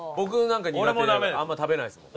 あんま食べないですもん。